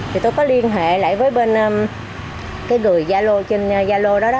thì tôi có liên hệ lại với bên cái người zalo trên zalo đó